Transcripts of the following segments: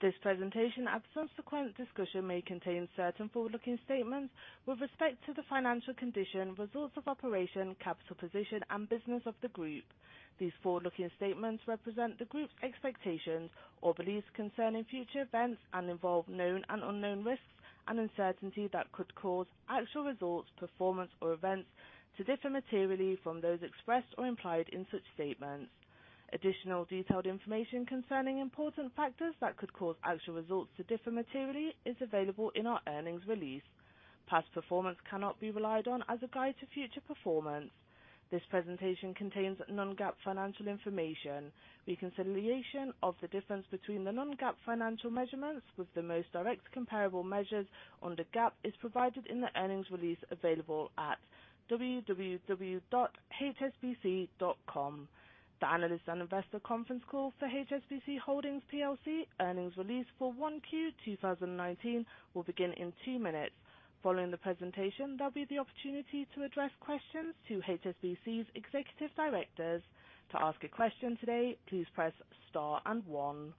This presentation and subsequent discussion may contain certain forward-looking statements with respect to the financial condition, results of operation, capital position, and business of the group. These forward-looking statements represent the group's expectations or beliefs concerning future events and involve known and unknown risks and uncertainty that could cause actual results, performance, or events to differ materially from those expressed or implied in such statements. Additional detailed information concerning important factors that could cause actual results to differ materially is available in our earnings release. Past performance cannot be relied on as a guide to future performance. This presentation contains non-GAAP financial information. Reconciliation of the difference between the non-GAAP financial measurements with the most direct comparable measures under GAAP is provided in the earnings release available at www.hsbc.com. The analyst and investor conference call for HSBC Holdings plc earnings release for 1Q 2019 will begin in two minutes. Following the presentation, there will be the opportunity to address questions to HSBC's executive directors. To ask a question today, please press star and one.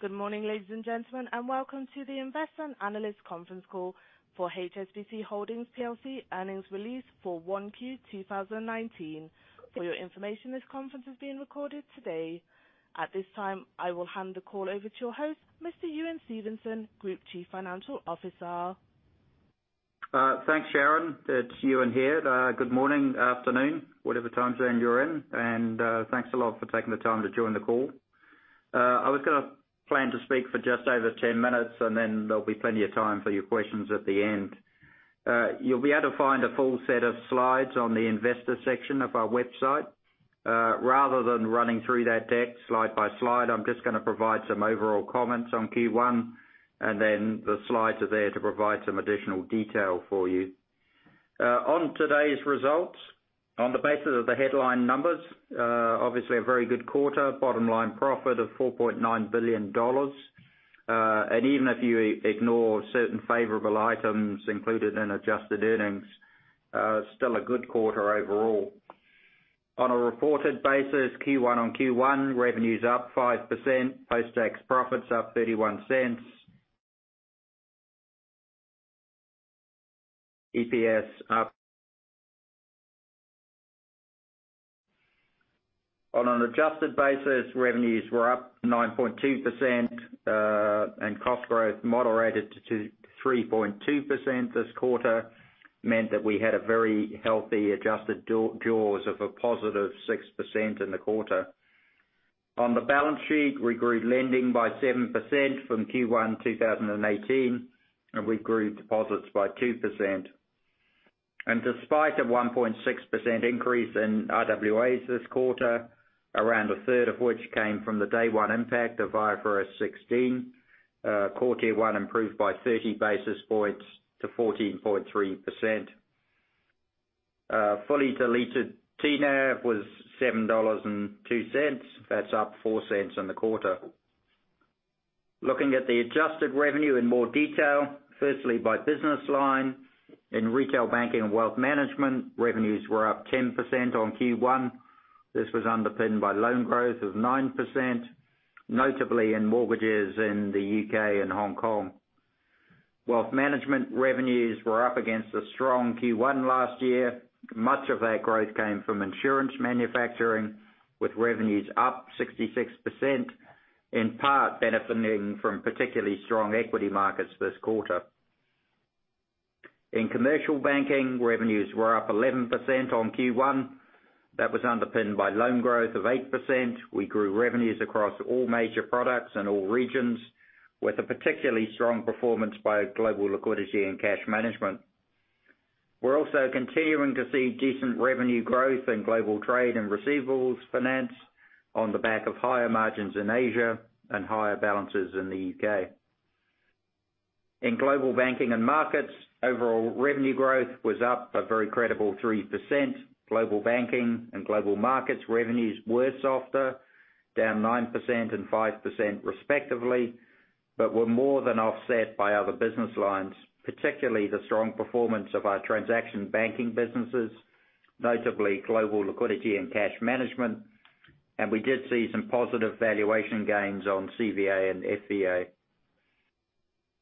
Good morning, ladies and gentlemen, and welcome to the Investor and Analyst Conference Call for HSBC Holdings plc earnings release for 1Q 2019. For your information, this conference is being recorded today. At this time, I will hand the call over to your host, Mr. Ewen Stevenson, Group Chief Financial Officer. Thanks, Sharon. It's Ewen here. Good morning, afternoon, whatever time zone you're in, and thanks a lot for taking the time to join the call. I was going to plan to speak for just over 10 minutes, and then there will be plenty of time for your questions at the end. You will be able to find a full set of slides on the investor section of our website. Rather than running through that deck slide by slide, I am just going to provide some overall comments on Q1, and then the slides are there to provide some additional detail for you. On today's results, on the basis of the headline numbers, obviously a very good quarter. Bottom line profit of $4.9 billion. Even if you ignore certain favorable items included in adjusted earnings, still a good quarter overall. On a reported basis, Q1 on Q1 revenues up 5%, post-tax profits up $0.31. EPS up. On an adjusted basis, revenues were up 9.2%, and cost growth moderated to 3.2% this quarter. Meant that we had a very healthy adjusted jaws of a positive 6% in the quarter. On the balance sheet, we grew lending by 7% from Q1 2018, and we grew deposits by 2%. Despite a 1.6% increase in RWAs this quarter, around a third of which came from the day one impact of IFRS 16, Core Tier 1 improved by 30 basis points to 14.3%. Fully diluted TNAV was $7.02. That's up $0.04 in the quarter. Looking at the adjusted revenue in more detail. Firstly, by business line. In Retail Banking and Wealth Management, revenues were up 10% on Q1. This was underpinned by loan growth of 9%, notably in mortgages in the U.K. and Hong Kong. Wealth management revenues were up against a strong Q1 last year. Much of that growth came from insurance manufacturing, with revenues up 66%, in part benefiting from particularly strong equity markets this quarter. In commercial banking, revenues were up 11% on Q1. That was underpinned by loan growth of 8%. We grew revenues across all major products in all regions, with a particularly strong performance by Global Liquidity and Cash Management. We're also continuing to see decent revenue growth in Global Trade and Receivables Finance on the back of higher margins in Asia and higher balances in the U.K. In Global Banking and Markets, overall revenue growth was up a very credible 3%. Global Banking and Global Markets revenues were softer, down 9% and 5% respectively, but were more than offset by other business lines, particularly the strong performance of our transaction banking businesses, notably Global Liquidity and Cash Management. We did see some positive valuation gains on CVA and FVA.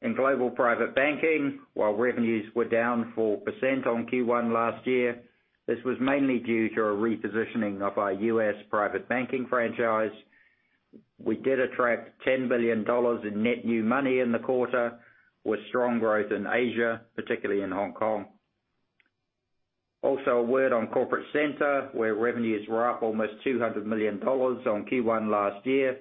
In Global Private Banking, while revenues were down 4% on Q1 last year, this was mainly due to a repositioning of our U.S. private banking franchise. We did attract $10 billion in net new money in the quarter, with strong growth in Asia, particularly in Hong Kong. Also a word on corporate center, where revenues were up almost $200 million on Q1 last year,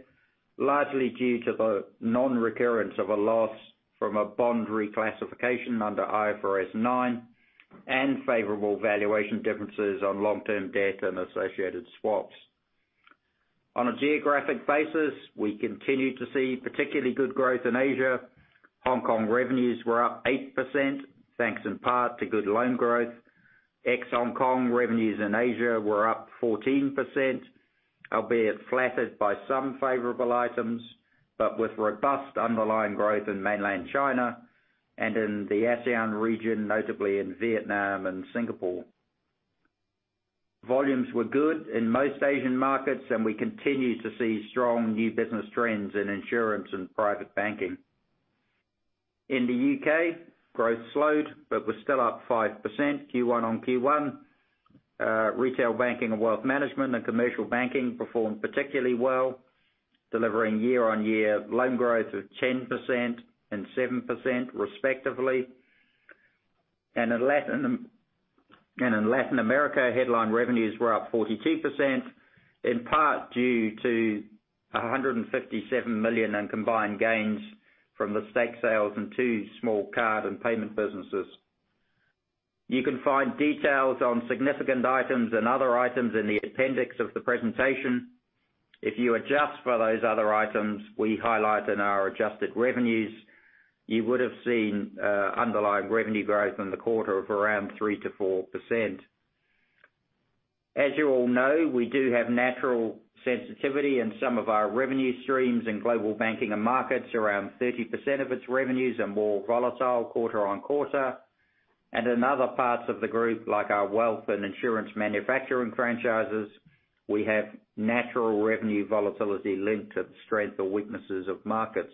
largely due to the non-recurrence of a loss from a bond reclassification under IFRS 9 and favorable valuation differences on long-term debt and associated swaps. On a geographic basis, we continue to see particularly good growth in Asia. Hong Kong revenues were up 8%, thanks in part to good loan growth. Ex-Hong Kong revenues in Asia were up 14%, albeit flattered by some favorable items, but with robust underlying growth in mainland China and in the ASEAN region, notably in Vietnam and Singapore. Volumes were good in most Asian markets, and we continue to see strong new business trends in insurance and private banking. In the U.K., growth slowed, but was still up 5% Q1 on Q1. Retail Banking and Wealth Management and Commercial Banking performed particularly well, delivering year-on-year loan growth of 10% and 7% respectively. In Latin America, headline revenues were up 42%, in part due to $157 million in combined gains from the stake sales in two small card and payment businesses. You can find details on significant items and other items in the appendix of the presentation. If you adjust for those other items we highlight in our adjusted revenues, you would have seen underlying revenue growth in the quarter of around 3%-4%. You all know, we do have natural sensitivity in some of our revenue streams in Global Banking and Markets. Around 30% of its revenues are more volatile quarter-on-quarter. In other parts of the group, like our wealth and insurance manufacturing franchises, we have natural revenue volatility linked to the strength or weaknesses of markets.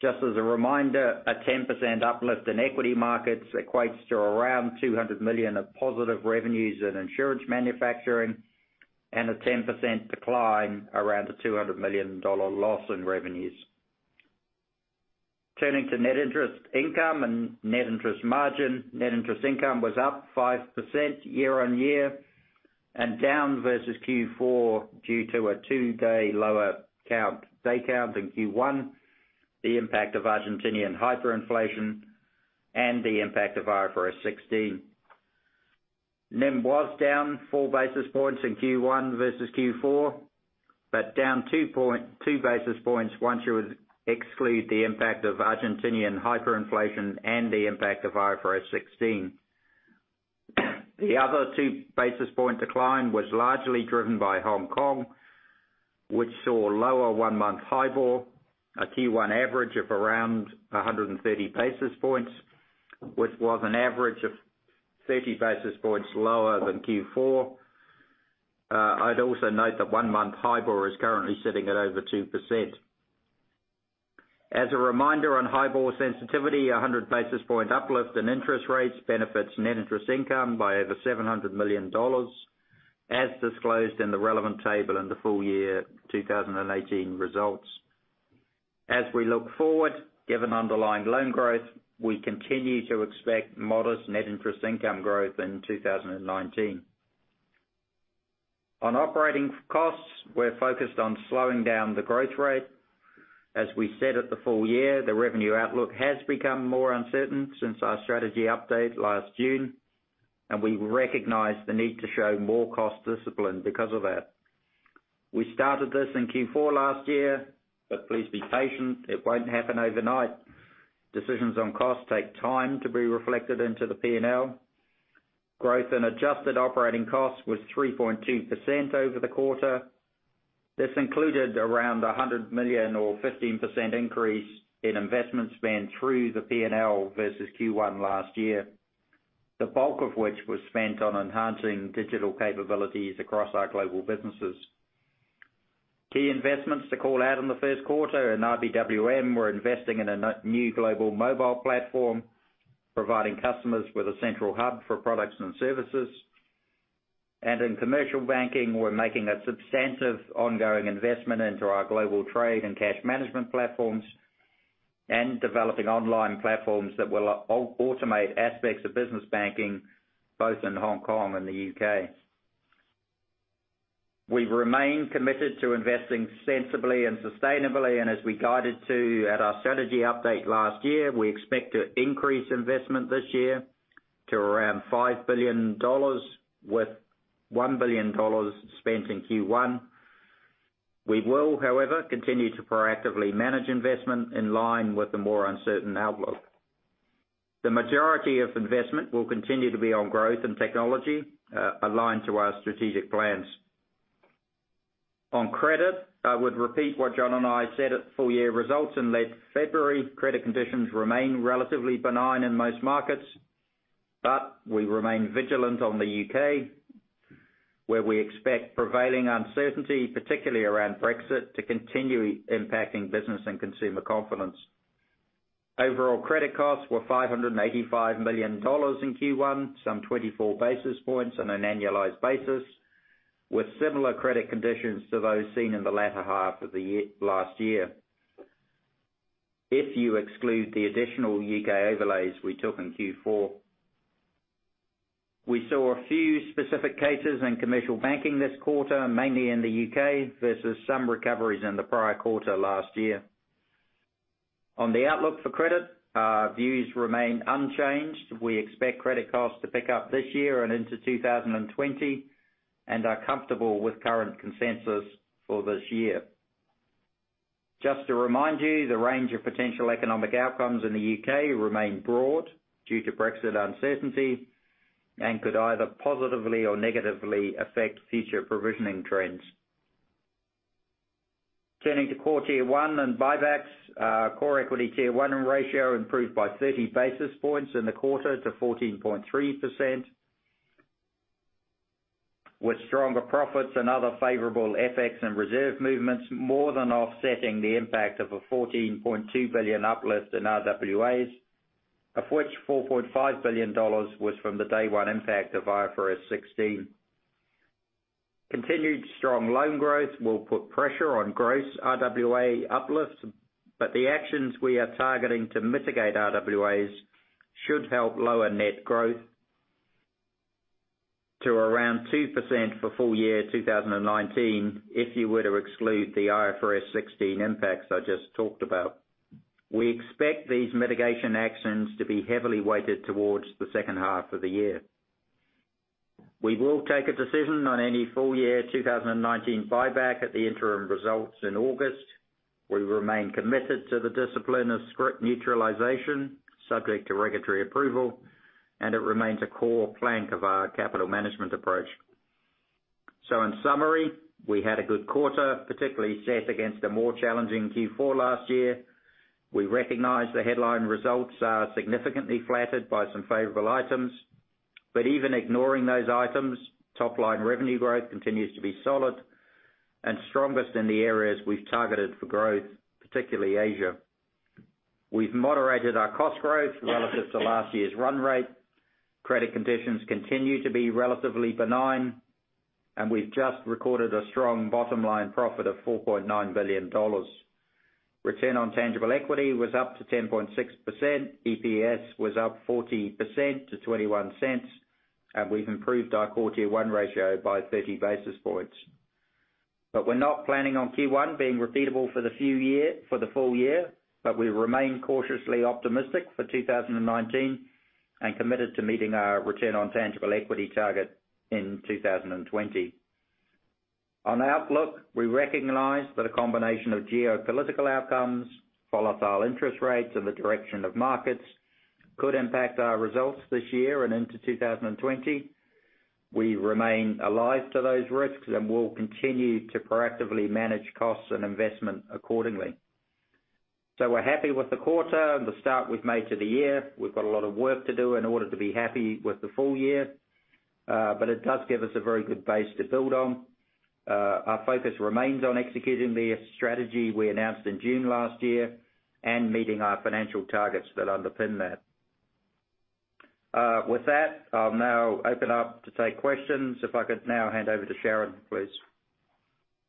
Just as a reminder, a 10% uplift in equity markets equates to around $200 million of positive revenues in insurance manufacturing, and a 10% decline around a $200 million loss in revenues. Turning to Net Interest Income and Net Interest Margin. Net interest income was up 5% year-on-year, and down versus Q4 due to a two-day lower day count in Q1, the impact of Argentinian hyperinflation, and the impact of IFRS 16. NIM was down four basis points in Q1 versus Q4, but down two basis points once you exclude the impact of Argentinian hyperinflation and the impact of IFRS 16. The other two basis point decline was largely driven by Hong Kong, which saw lower one-month HIBOR, a Q1 average of around 130 basis points, which was an average of 30 basis points lower than Q4. I'd also note that one-month HIBOR is currently sitting at over 2%. As a reminder on HIBOR sensitivity, 100 basis point uplift in interest rates benefits net interest income by over $700 million, as disclosed in the relevant table in the full year 2018 results. As we look forward, given underlying loan growth, we continue to expect modest net interest income growth in 2019. On operating costs, we're focused on slowing down the growth rate. As we said at the full year, the revenue outlook has become more uncertain since our strategy update last June, and we recognize the need to show more cost discipline because of that. We started this in Q4 last year, but please be patient, it won't happen overnight. Decisions on cost take time to be reflected into the P&L. Growth in adjusted operating costs was 3.2% over the quarter. This included around $100 million or 15% increase in investment spend through the P&L versus Q1 last year, the bulk of which was spent on enhancing digital capabilities across our global businesses. Key investments to call out in the first quarter. In RBWM, we're investing in a new global mobile platform, providing customers with a central hub for products and services. In commercial banking, we're making a substantive ongoing investment into our global trade and cash management platforms, and developing online platforms that will automate aspects of business banking, both in Hong Kong and the U.K. We remain committed to investing sensibly and sustainably, and as we guided to at our strategy update last year, we expect to increase investment this year to around $5 billion, with $1 billion spent in Q1. We will, however, continue to proactively manage investment in line with the more uncertain outlook. The majority of investment will continue to be on growth and technology, aligned to our strategic plans. On credit, I would repeat what John and I said at the full year results in late February. Credit conditions remain relatively benign in most markets. We remain vigilant on the U.K., where we expect prevailing uncertainty, particularly around Brexit, to continue impacting business and consumer confidence. Overall credit costs were $585 million in Q1, some 24 basis points on an annualized basis, with similar credit conditions to those seen in the latter half of the last year, if you exclude the additional U.K. overlays we took in Q4. We saw a few specific cases in commercial banking this quarter, mainly in the U.K., versus some recoveries in the prior quarter last year. On the outlook for credit, our views remain unchanged. We expect credit costs to pick up this year and into 2020 and are comfortable with current consensus for this year. Just to remind you, the range of potential economic outcomes in the U.K. remain broad due to Brexit uncertainty and could either positively or negatively affect future provisioning trends. Turning to Core Tier 1 and buybacks. Core Equity Tier 1 ratio improved by 30 basis points in the quarter to 14.3%, with stronger profits and other favorable FX and reserve movements more than offsetting the impact of a $14.2 billion uplift in RWAs, of which $4.5 billion was from the day one impact of IFRS 16. Continued strong loan growth will put pressure on gross RWA uplifts, but the actions we are targeting to mitigate RWAs should help lower net growth to around 2% for full year 2019 if you were to exclude the IFRS 16 impacts I just talked about. We expect these mitigation actions to be heavily weighted towards the second half of the year. We will take a decision on any full year 2019 buyback at the interim results in August. In summary, we had a good quarter, particularly set against a more challenging Q4 last year. We recognize the headline results are significantly flattered by some favorable items. Even ignoring those items, top-line revenue growth continues to be solid and strongest in the areas we've targeted for growth, particularly Asia. We've moderated our cost growth relative to last year's run rate. Credit conditions continue to be relatively benign, and we've just recorded a strong bottom-line profit of $4.9 billion. Return on tangible equity was up to 10.6%, EPS was up 40% to $0.21, and we've improved our Core Tier 1 ratio by 30 basis points. We're not planning on Q1 being repeatable for the full year, but we remain cautiously optimistic for 2019 and committed to meeting our return on tangible equity target in 2020. On outlook, we recognize that a combination of geopolitical outcomes, volatile interest rates, and the direction of markets could impact our results this year and into 2020. We remain alive to those risks and will continue to proactively manage costs and investment accordingly. We're happy with the quarter, the start we've made to the year. We've got a lot of work to do in order to be happy with the full year. It does give us a very good base to build on. Our focus remains on executing the strategy we announced in June last year and meeting our financial targets that underpin that. With that, I'll now open up to take questions. If I could now hand over to Sharon, please.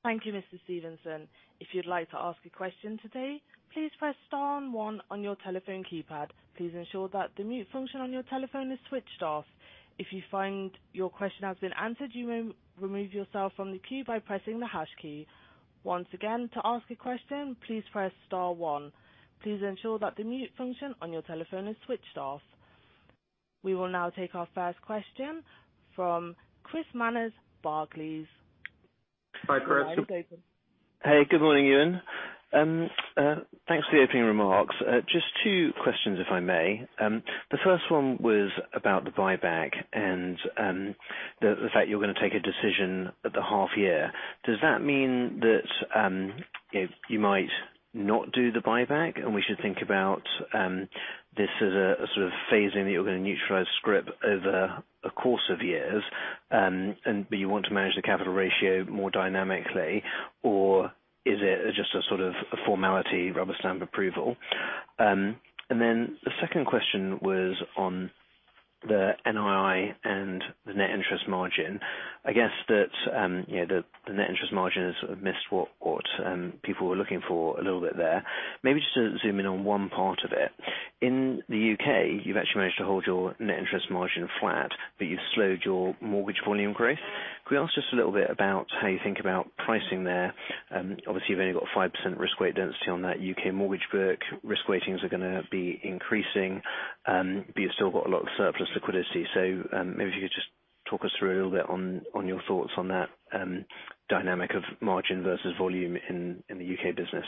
Thank you, Mr. Stevenson. If you'd like to ask a question today, please press star one on your telephone keypad. Please ensure that the mute function on your telephone is switched off. If you find your question has been answered, you may remove yourself from the queue by pressing the hash key. Once again, to ask a question, please press star one. Please ensure that the mute function on your telephone is switched off. We will now take our first question from Chris Manners, Barclays. Hi, Chris. The line is open. Hey, good morning, Ewen. Thanks for the opening remarks. Just two questions, if I may. The first one was about the buyback and the fact you're going to take a decision at the half year. Does that mean that you might not do the buyback, and we should think about this as a sort of phasing, that you're going to neutralize scrip over a course of years, but you want to manage the capital ratio more dynamically? Is it just a sort of a formality, rubber stamp approval? The second question was on the NII and the net interest margin. I guess that the net interest margin has missed what people were looking for a little bit there. Maybe just to zoom in on one part of it. In the U.K., you've actually managed to hold your net interest margin flat, but you've slowed your mortgage volume growth. Could we ask just a little bit about how you think about pricing there? Obviously, you've only got 5% risk-weight density on that U.K. mortgage book. Risk-weightings are going to be increasing, but you've still got a lot of surplus liquidity. Maybe if you could just talk us through a little bit on your thoughts on that dynamic of margin versus volume in the U.K. business.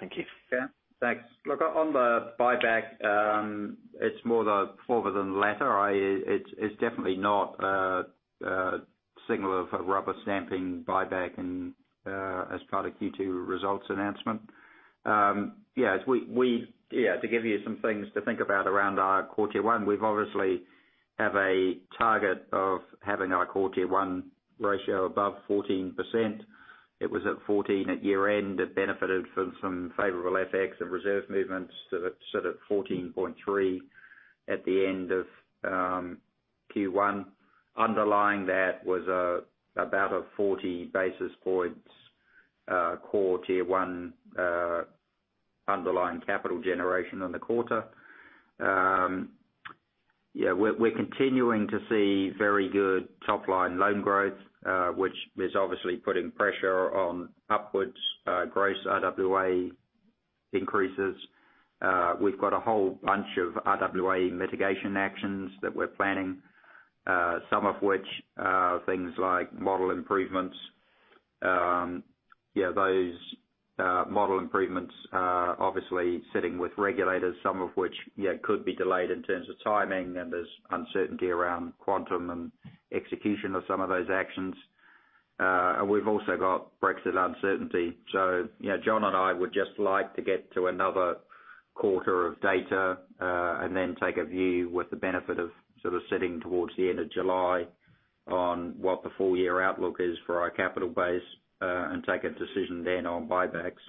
Thank you. Yeah. Thanks. Look, on the buyback, it's more the former than the latter. It's definitely not a signal of a rubber-stamping buyback as part of Q2 results announcement. To give you some things to think about around our Core Tier 1, we've obviously have a target of having our Core Tier 1 ratio above 14%. It was at 14% at year-end. It benefited from some favorable FX and reserve movements. That's sort of 14.3% at the end of Q1. Underlying that was about a 40 basis points Core Tier 1 underlying capital generation in the quarter. We're continuing to see very good top-line loan growth, which is obviously putting pressure on upwards gross RWA increases. We've got a whole bunch of RWA mitigation actions that we're planning. Some of which are things like model improvements. Those model improvements are obviously sitting with regulators, some of which could be delayed in terms of timing, and there's uncertainty around quantum and execution of some of those actions. We've also got Brexit uncertainty. John and I would just like to get to another quarter of data, and then take a view with the benefit of sort of sitting towards the end of July on what the full-year outlook is for our capital base, and take a decision then on buybacks.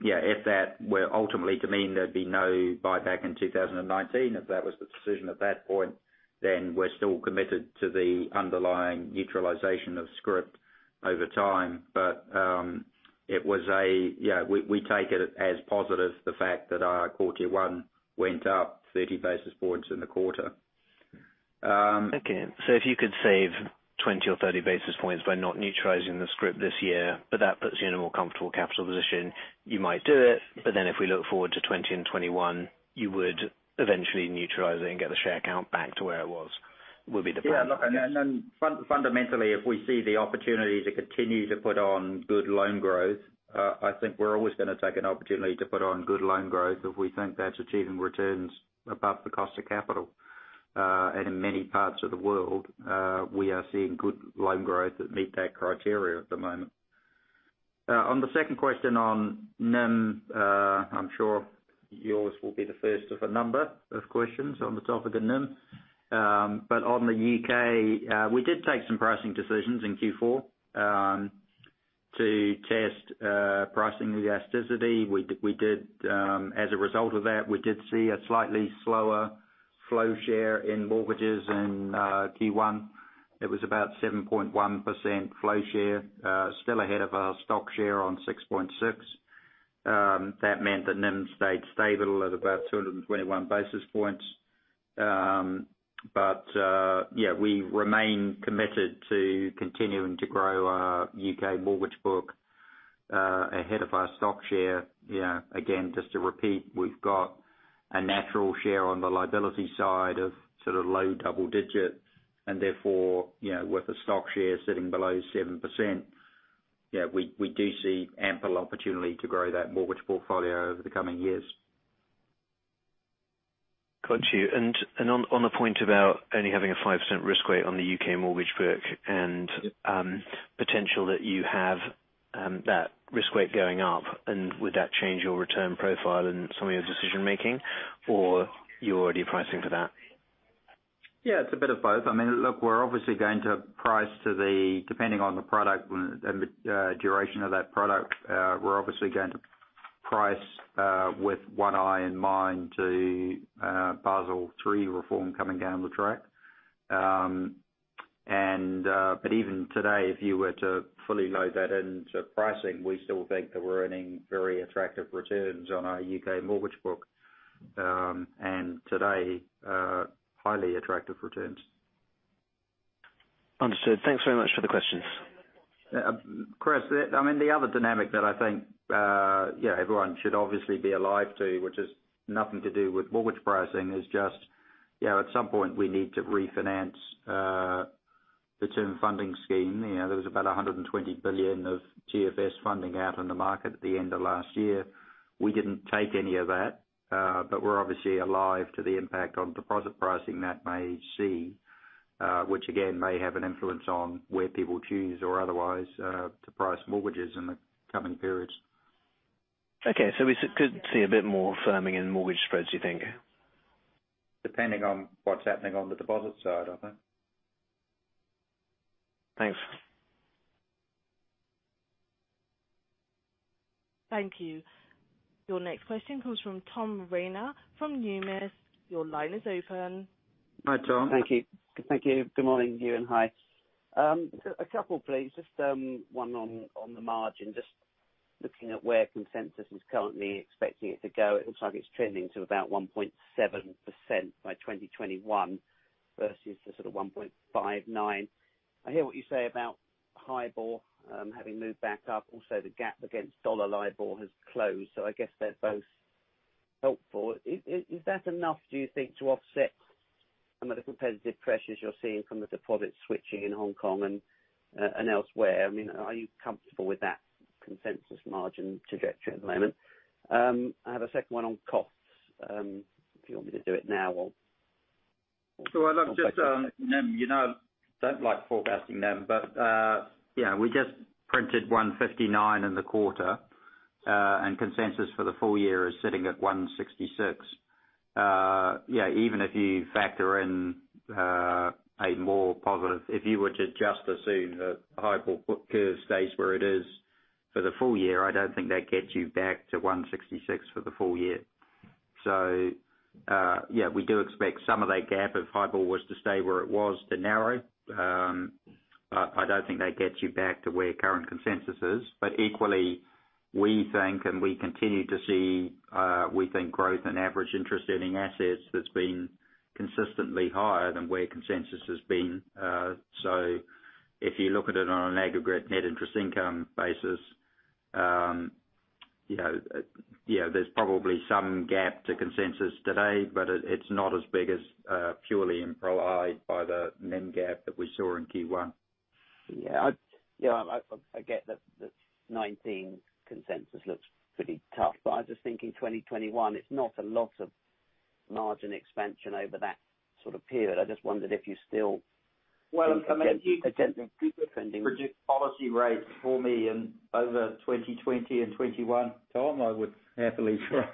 If that were ultimately to mean there'd be no buyback in 2019, if that was the decision at that point, then we're still committed to the underlying neutralization of scrip over time. We take it as positive the fact that our Core Tier 1 went up 30 basis points in the quarter. Okay. If you could save 20 or 30 basis points by not neutralizing the scrip this year, that puts you in a more comfortable capital position, you might do it. If we look forward to 2020 and 2021, you would eventually neutralize it and get the share count back to where it was, would be the plan? Yeah, look, fundamentally, if we see the opportunity to continue to put on good loan growth, I think we're always going to take an opportunity to put on good loan growth if we think that's achieving returns above the cost of capital. In many parts of the world, we are seeing good loan growth that meet that criteria at the moment. On the second question on NIM, I'm sure yours will be the first of a number of questions on the topic of NIM. On the U.K., we did take some pricing decisions in Q4, to test pricing elasticity. As a result of that, we did see a slightly slower flow share in mortgages in Q1. It was about 7.1% flow share, still ahead of our stock share on 6.6%. That meant that NIM stayed stable at about 221 basis points. Yeah, we remain committed to continuing to grow our U.K. mortgage book, ahead of our stock share. Again, just to repeat, we've got a natural share on the liability side of sort of low double digits and therefore, with the stock share sitting below 7%, yeah, we do see ample opportunity to grow that mortgage portfolio over the coming years. Got you. On the point about only having a 5% risk weight on the U.K. mortgage book. Yep potential that you have that risk weight going up, and would that change your return profile and some of your decision-making, or you're already pricing for that? Yeah, it's a bit of both. Look, we're obviously going to price to the, depending on the product and the duration of that product. We're obviously going to price, with one eye in mind to, Basel III reform coming down the track. Even today, if you were to fully load that into pricing, we still think that we're earning very attractive returns on our U.K. mortgage book. Today, highly attractive returns. Understood. Thanks very much for the questions. Chris, the other dynamic that I think everyone should obviously be alive to, which is nothing to do with mortgage pricing, is just, at some point we need to refinance the Term Funding Scheme. There was about 120 billion of TFS funding out in the market at the end of last year. We didn't take any of that, but we're obviously alive to the impact on deposit pricing that may see, which again, may have an influence on where people choose or otherwise, to price mortgages in the coming periods. Okay. We could see a bit more firming in mortgage spreads, do you think? Depending on what's happening on the deposit side, I think. Thanks. Thank you. Your next question comes from Tom Rayner from Numis. Your line is open. Hi, Tom. Thank you. Good morning, Ewen. Hi. A couple please. Just one on the margin. Just looking at where consensus is currently expecting it to go, it looks like it's trending to about 1.7% by 2021 versus the sort of 1.59%. I hear what you say about HIBOR, having moved back up. Also, the gap against dollar LIBOR has closed, so I guess they're both helpful. Is that enough, do you think, to offset some of the competitive pressures you're seeing from the deposit switching in Hong Kong and elsewhere? Are you comfortable with that consensus margin trajectory at the moment? I have a second one on costs, if you want me to do it now or I'd love just on NIM. You know I don't like forecasting NIM, but we just printed 159 in the quarter, and consensus for the full year is sitting at 166. Even if you factor in a more positive, if you were to adjust as soon HIBOR curve stays where it is for the full year, I don't think that gets you back to 166 for the full year. We do expect some of that gap if HIBOR was to stay where it was to narrow. I don't think that gets you back to where current consensus is. Equally, we think and we continue to see, we think growth and average interest in assets that's been consistently higher than where consensus has been. If you look at it on an aggregate net interest income basis, there's probably some gap to consensus today, but it's not as big as purely implied by the NIM gap that we saw in Q1. Yeah. I get that '19 consensus looks pretty tough. I was just thinking 2021, it's not a lot of margin expansion over that sort of period. Well, I mean. attempting, keep defending could produce policy rates for me in over 2020 and 2021, Tom, I would happily try.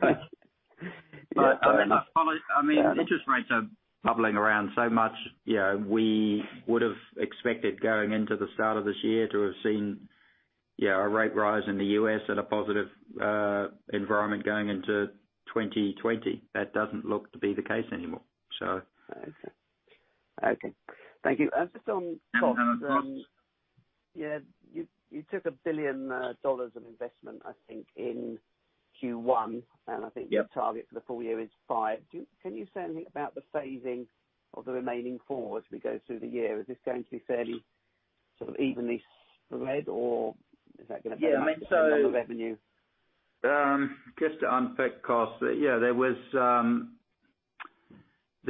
I mean, interest rates are bubbling around so much. We would've expected going into the start of this year to have seen a rate rise in the U.S. and a positive environment going into 2020. That doesn't look to be the case anymore. Okay. Thank you. Just on costs. On costs you took $1 billion of investment, I think, in Q1. Yep your target for the full year is five. Can you say anything about the phasing of the remaining four as we go through the year? Is this going to be fairly, sort of evenly spread? Yeah, I mean. another revenue? Just to unpick costs. There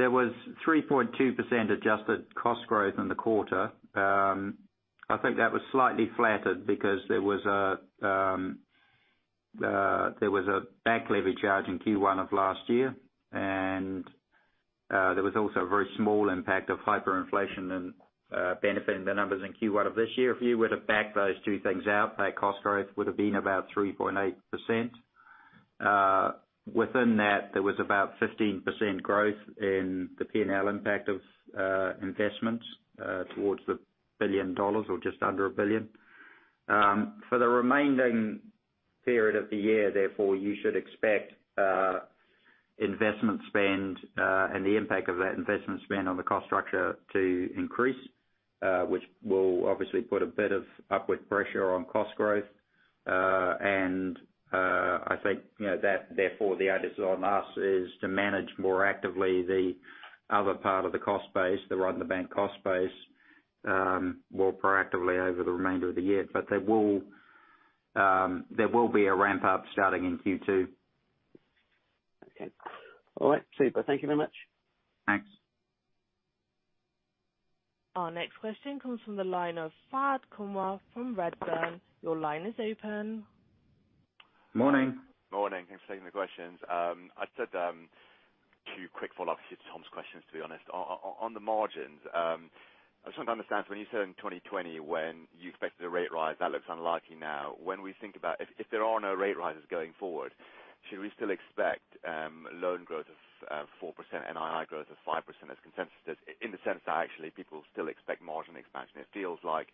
was 3.2% adjusted cost growth in the quarter. I think that was slightly flattered because there was a bank levy charge in Q1 of last year, and there was also a very small impact of hyperinflation benefiting the numbers in Q1 of this year. If you were to back those two things out, that cost growth would've been about 3.8%. Within that, there was about 15% growth in the P&L impact of investments towards the $ billion or just under $1 billion. For the remaining period of the year, you should expect investment spend and the impact of that investment spend on the cost structure to increase, which will obviously put a bit of upward pressure on cost growth. I think the onus is on us is to manage more actively the other part of the cost base, the run-of-the-bank cost base, more proactively over the remainder of the year. There will be a ramp-up starting in Q2. Okay. All right, super. Thank you very much. Thanks. Our next question comes from the line of Fahed Kunwar from Redburn. Your line is open. Morning. Morning. Thanks for taking the questions. I just had two quick follow-ups to Tom's questions, to be honest. On the margins, I was trying to understand when you said in 2020 when you expected a rate rise. That looks unlikely now. When we think about if there are no rate rises going forward, should we still expect loan growth of 4% NII growth of 5% as consensus does, in the sense that actually people still expect margin expansion? It feels like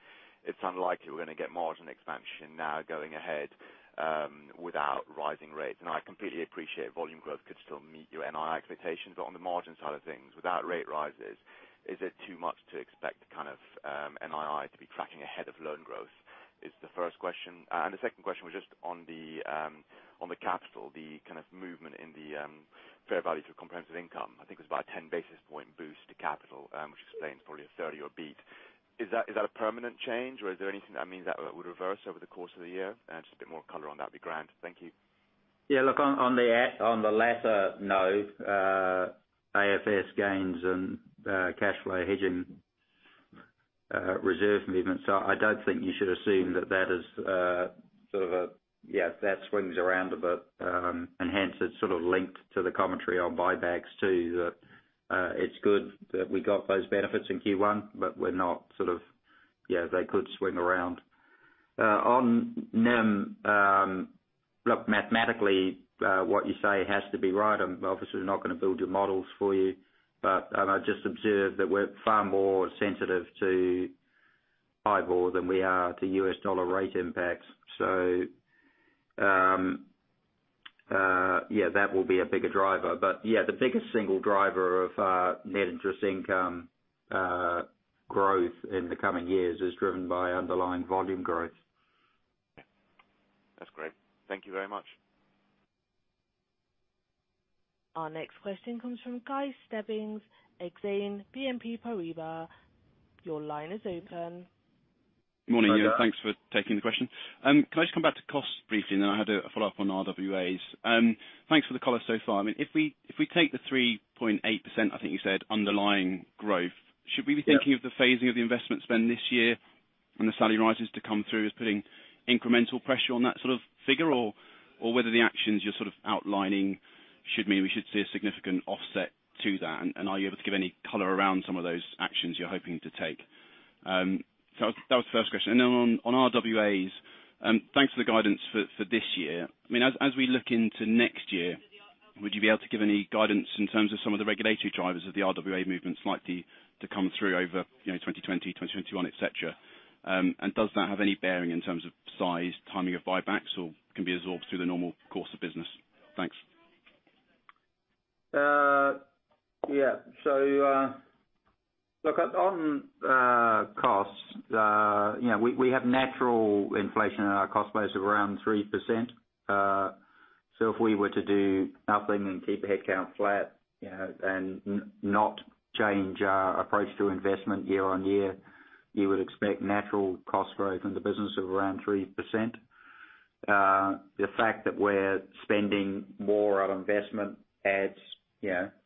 it's unlikely we're going to get margin expansion now going ahead without rising rates. I completely appreciate volume growth could still meet your NII expectations, but on the margin side of things, without rate rises, is it too much to expect kind of NII to be tracking ahead of loan growth? Is the first question. The second question was just on the capital, the kind of movement in the fair value through comprehensive income. I think it was about a 10 basis point boost to capital, which explains probably a 30 or beat. Is that a permanent change, or is there anything that means that would reverse over the course of the year? Just a bit more color on that would be grand. Thank you. Yeah, look on the latter, no. AFS gains and cash flow hedging reserve movements. I don't think you should assume that that is sort of a that swings around a bit, and hence it's sort of linked to the commentary on buybacks too. That it's good that we got those benefits in Q1, but we're not sort of, they could swing around. On NIM, look, mathematically, what you say has to be right. I'm obviously not going to build your models for you, but I just observe that we're far more sensitive to high vol than we are to US dollar rate impacts. Yeah, that will be a bigger driver. The biggest single driver of net interest income growth in the coming years is driven by underlying volume growth. That's great. Thank you very much. Our next question comes from Guy Stebbings, Exane BNP Paribas. Your line is open. Hi there. Morning. Thanks for taking the question. Can I just come back to costs briefly, then I had a follow-up on RWAs. Thanks for the color so far. I mean, if we take the 3.8%, I think you said underlying growth- Yeah Should we be thinking of the phasing of the investment spend this year when the salary rises to come through as putting incremental pressure on that sort of figure? Or whether the actions you're sort of outlining should mean we should see a significant offset to that? Are you able to give any color around some of those actions you're hoping to take? That was the first question. On RWAs, thanks for the guidance for this year. I mean, as we look into next year, would you be able to give any guidance in terms of some of the regulatory drivers of the RWA movements likely to come through over 2020, 2021, et cetera? Does that have any bearing in terms of size, timing of buybacks or can be absorbed through the normal course of business? Thanks. Look on costs, we have natural inflation in our cost base of around 3%. If we were to do nothing and keep the headcount flat, and not change our approach to investment year-on-year, you would expect natural cost growth in the business of around 3%. The fact that we're spending more on investment adds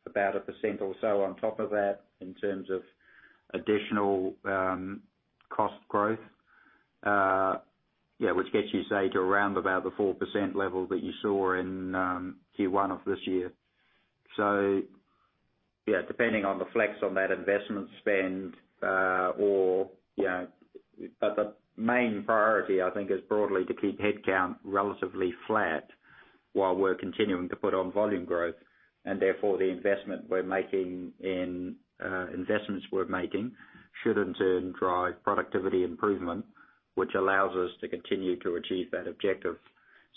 about 1% or so on top of that in terms of additional cost growth. Which gets you say, to around about the 4% level that you saw in Q1 of this year. Depending on the flex on that investment spend. The main priority, I think, is broadly to keep headcount relatively flat while we're continuing to put on volume growth. And therefore, the investments we're making should in turn drive productivity improvement, which allows us to continue to achieve that objective.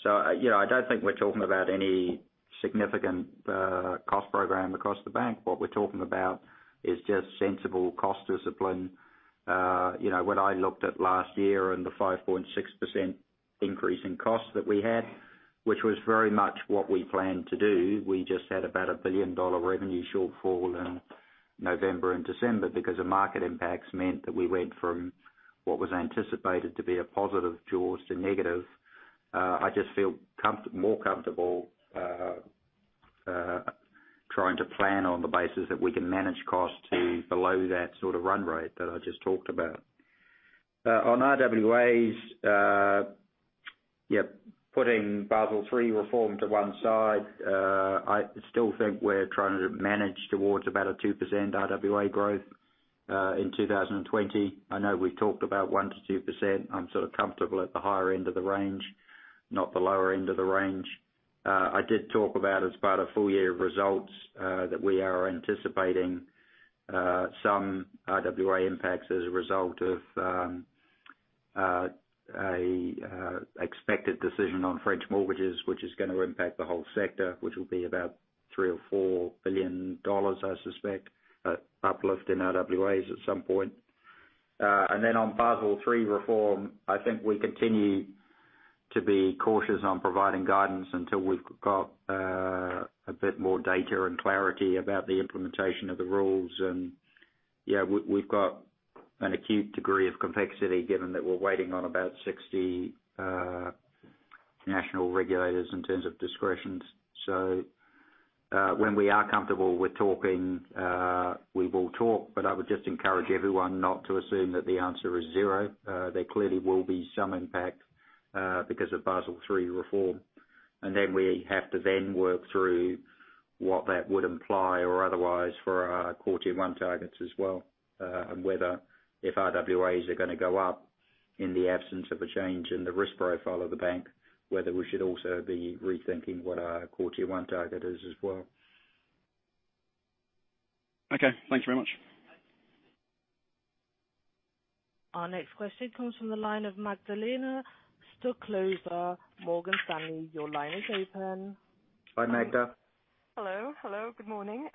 I don't think we're talking about any significant cost program across the bank. What we're talking about is just sensible cost discipline. When I looked at last year and the 5.6% increase in cost that we had, which was very much what we planned to do, we just had about a $1 billion revenue shortfall in November and December because the market impacts meant that we went from what was anticipated to be a positive jaws to negative. I just feel more comfortable trying to plan on the basis that we can manage costs to below that sort of run rate that I just talked about. On RWAs, putting Basel III reform to one side, I still think we're trying to manage towards about 2% RWA growth in 2020. I know we've talked about 1%-2%. I'm sort of comfortable at the higher end of the range, not the lower end of the range. I did talk about, as part of full year results, that we are anticipating some RWA impacts as a result of an expected decision on French mortgages, which is going to impact the whole sector, which will be about $3 billion or $4 billion, I suspect, uplift in RWAs at some point. Then on Basel III reform, I think we continue to be cautious on providing guidance until we've got a bit more data and clarity about the implementation of the rules, and we've got an acute degree of complexity given that we're waiting on about 60 national regulators in terms of discretions. When we are comfortable with talking, we will talk, but I would just encourage everyone not to assume that the answer is zero. There clearly will be some impact, because of Basel III reform. We have to then work through what that would imply or otherwise for our Core Tier 1 targets as well. Whether if RWAs are going to go up in the absence of a change in the risk profile of the bank, whether we should also be rethinking what our Core Tier 1 target is as well. Okay. Thanks very much. Our next question comes from the line of Magdalena Stoklosa, Morgan Stanley. Your line is open. Hi, Magda. Hello, good morning.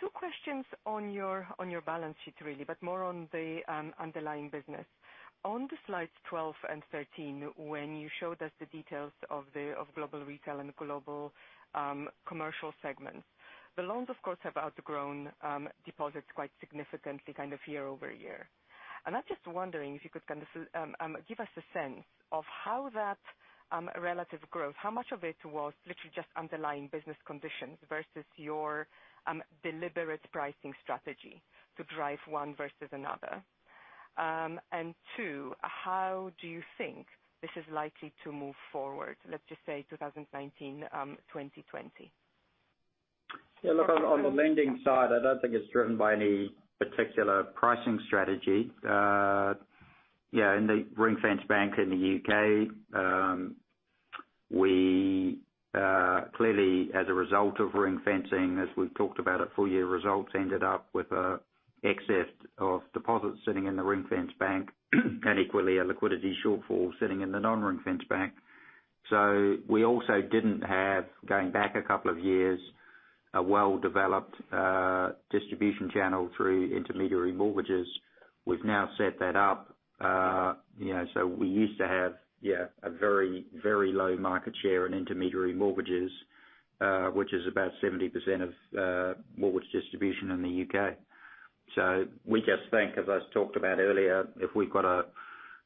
Two questions on your balance sheet, really, but more on the underlying business. On the slides 12 and 13, when you showed us the details of Global Retail and Global Commercial segments. The loans, of course, have outgrown deposits quite significantly year-over-year. I'm just wondering if you could give us a sense of how that relative growth, how much of it was literally just underlying business conditions versus your deliberate pricing strategy to drive one versus another. Two, how do you think this is likely to move forward, let's just say 2019, 2020? On the lending side, I don't think it's driven by any particular pricing strategy. In the ring-fence bank in the U.K., we clearly, as a result of ring-fencing, as we've talked about at full year results, ended up with an excess of deposits sitting in the ring-fence bank, and equally a liquidity shortfall sitting in the non-ring-fence bank. We also didn't have, going back a couple of years, a well-developed distribution channel through intermediary mortgages. We've now set that up. We used to have a very low market share in intermediary mortgages, which is about 70% of mortgage distribution in the U.K. We just think, as I talked about earlier, if we've got a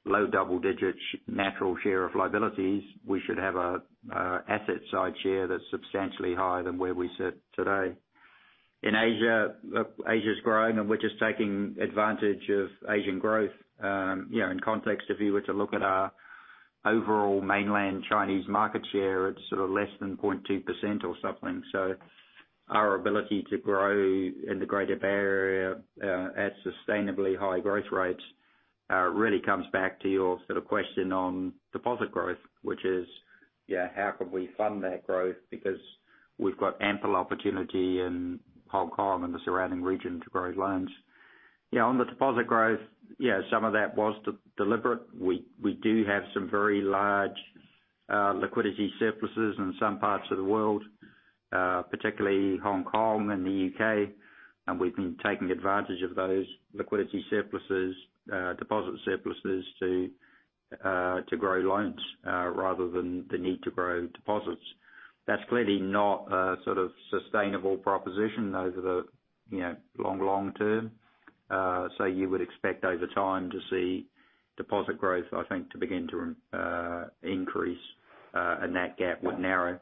low double-digit natural share of liabilities, we should have an asset side share that's substantially higher than where we sit today. In Asia's growing, we're just taking advantage of Asian growth. In context, if you were to look at our overall mainland Chinese market share, it's less than 0.2% or something. Our ability to grow in the Greater Bay Area at sustainably high growth rates really comes back to your question on deposit growth, which is how can we fund that growth? Because we've got ample opportunity in Hong Kong and the surrounding region to grow loans. On the deposit growth, some of that was deliberate. We do have some very large liquidity surpluses in some parts of the world, particularly Hong Kong and the U.K. We've been taking advantage of those liquidity surpluses, deposit surpluses to grow loans rather than the need to grow deposits. That's clearly not a sustainable proposition over the long term. You would expect over time to see deposit growth, I think, to begin to increase, that gap would narrow.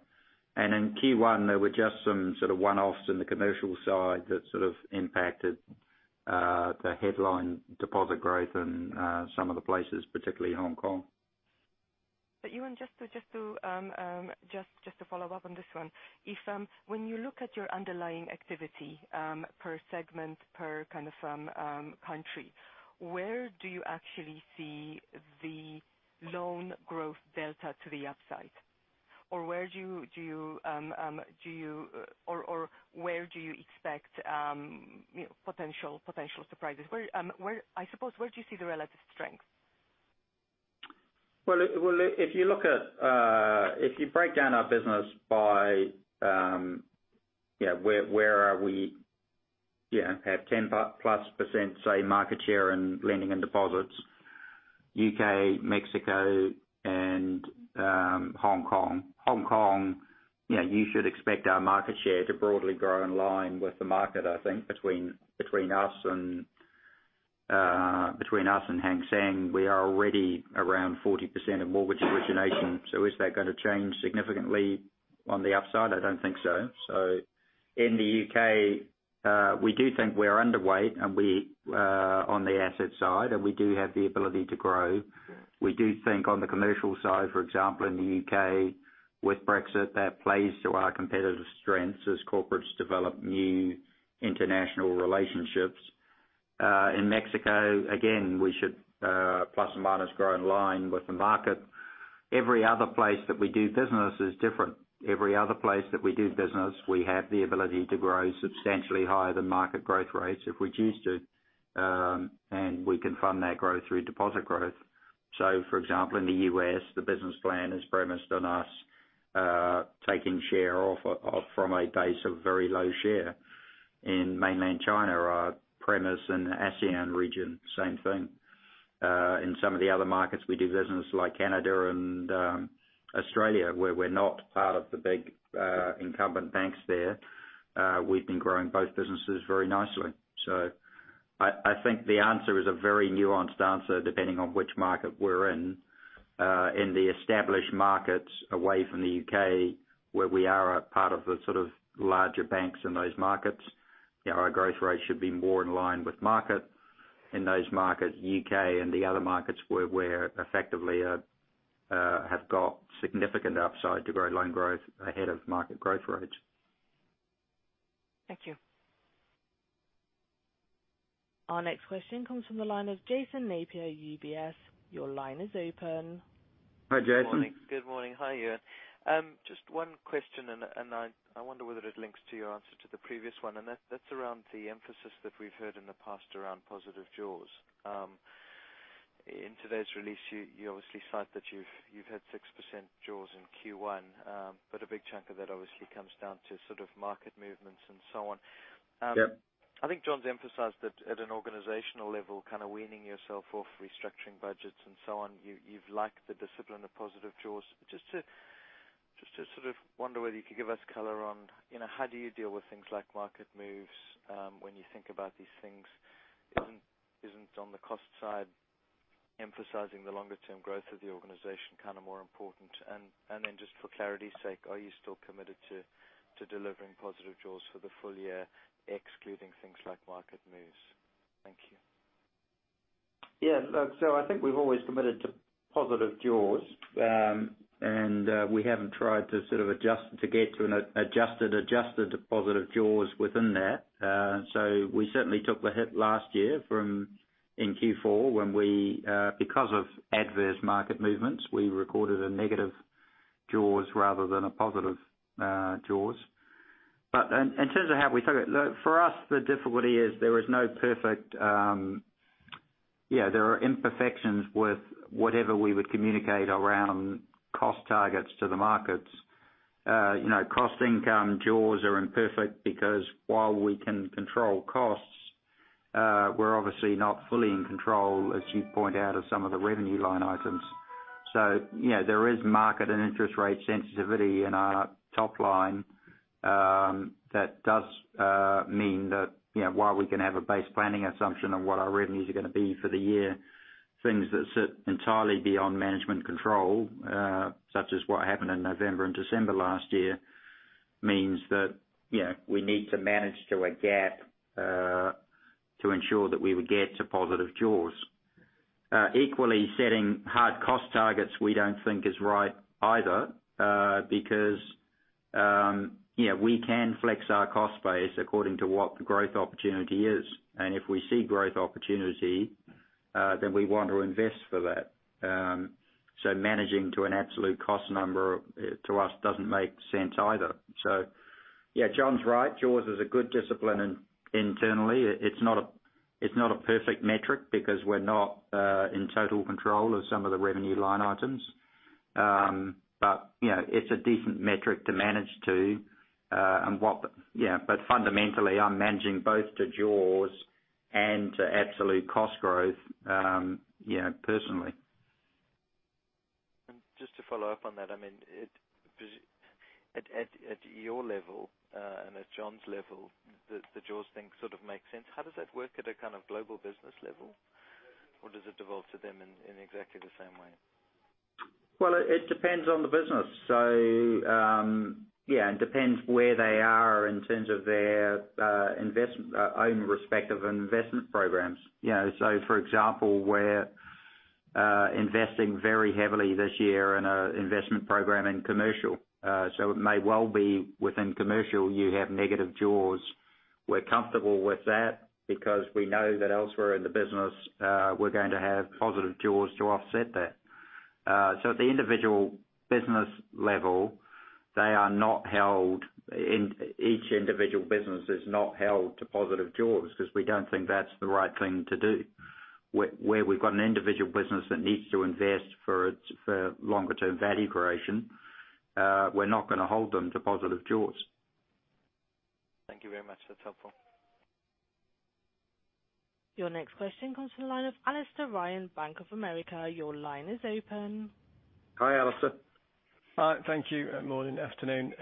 In Q1, there were just some one-offs in the commercial side that impacted the headline deposit growth in some of the places, particularly Hong Kong. Ewen, just to follow up on this one. If when you look at your underlying activity per segment, per country, where do you actually see the loan growth delta to the upside? Where do you expect potential surprises? I suppose, where do you see the relative strength? Well, if you break down our business by where we have plus 10%, say, market share in lending and deposits, U.K., Mexico, and Hong Kong. Hong Kong, you should expect our market share to broadly grow in line with the market, I think, between us and Hang Seng, we are already around 40% of mortgage origination. Is that going to change significantly on the upside? I don't think so. In the U.K., we do think we're underweight on the asset side, and we do have the ability to grow. We do think on the commercial side, for example, in the U.K. with Brexit, that plays to our competitive strengths as corporates develop new international relationships. In Mexico, again, we should plus or minus grow in line with the market. Every other place that we do business is different. Every other place that we do business, we have the ability to grow substantially higher than market growth rates if we choose to, and we can fund that growth through deposit growth. For example, in the U.S., the business plan is premised on us taking share off from a base of very low share. In mainland China, our premise in the ASEAN region, same thing. In some of the other markets we do business, like Canada and Australia, where we're not part of the big incumbent banks there, we've been growing both businesses very nicely. I think the answer is a very nuanced answer depending on which market we're in. In the established markets away from the U.K., where we are a part of the larger banks in those markets, our growth rate should be more in line with market. In those markets, U.K. and the other markets where we effectively have got significant upside to grow loan growth ahead of market growth rates. Thank you. Our next question comes from the line of Jason Napier, UBS. Your line is open. Hi, Jason. Morning. Good morning. Hi, Ewen. Just one question, and I wonder whether it links to your answer to the previous one, and that's around the emphasis that we've heard in the past around positive jaws. In today's release, you obviously cite that you've had 6% jaws in Q1, but a big chunk of that obviously comes down to market movements and so on. Yep. I think John's emphasized that at an organizational level, kind of weaning yourself off restructuring budgets and so on, you've liked the discipline of positive jaws. Just to wonder whether you could give us color on how do you deal with things like market moves when you think about these things. Isn't on the cost side emphasizing the longer-term growth of the organization more important? Then just for clarity's sake, are you still committed to delivering positive jaws for the full year, excluding things like market moves? Thank you. Yeah. I think we've always committed to positive jaws. We haven't tried to get to an adjusted to positive jaws within that. We certainly took the hit last year in Q4 when because of adverse market movements, we recorded a negative jaws rather than a positive jaws. In terms of how we took it, for us, the difficulty is there are imperfections with whatever we would communicate around cost targets to the markets. Cost income jaws are imperfect because while we can control costs, we're obviously not fully in control, as you point out, of some of the revenue line items. There is market and interest rate sensitivity in our top line that does mean that while we can have a base planning assumption on what our revenues are going to be for the year, things that sit entirely beyond management control, such as what happened in November and December last year, means that we need to manage to a gap, to ensure that we would get to positive jaws. Equally, setting hard cost targets we don't think is right either, because we can flex our cost base according to what the growth opportunity is. If we see growth opportunity, then we want to invest for that. Managing to an absolute cost number to us doesn't make sense either. Yeah, John's right. Jaws is a good discipline internally. It's not a perfect metric because we're not in total control of some of the revenue line items. It's a decent metric to manage to. Fundamentally, I'm managing both the jaws and absolute cost growth personally. Just to follow up on that, at your level, and at John's level, the jaws thing sort of makes sense. How does that work at a kind of global business level? Does it devolve to them in exactly the same way? It depends on the business. Yeah, it depends where they are in terms of their own respective investment programs. For example, we're investing very heavily this year in an investment program in commercial. It may well be within commercial, you have negative jaws. We're comfortable with that because we know that elsewhere in the business, we're going to have positive jaws to offset that. At the individual business level, each individual business is not held to positive jaws because we don't think that's the right thing to do. Where we've got an individual business that needs to invest for longer-term value creation, we're not going to hold them to positive jaws. Thank you very much. That's helpful. Your next question comes from the line of Alastair Ryan, Bank of America. Your line is open. Hi, Alastair. Hi. Thank you. Morning, afternoon.